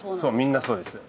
みんなそうです。